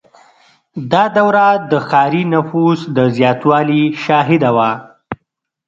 • دا دوره د ښاري نفوس د زیاتوالي شاهده وه.